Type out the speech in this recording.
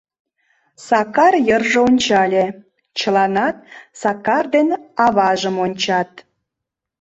Сакар йырже ончале: чыланат Сакар ден аважым ончат.